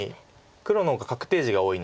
黒の方が確定地が多いので。